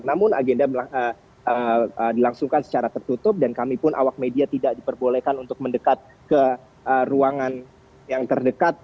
namun agenda dilangsungkan secara tertutup dan kami pun awak media tidak diperbolehkan untuk mendekat ke ruangan yang terdekat